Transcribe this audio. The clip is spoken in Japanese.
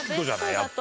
やっぱ。